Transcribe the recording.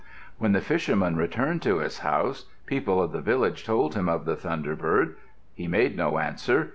When the fisherman returned to his house, people of the village told him of the thunderbird. He made no answer.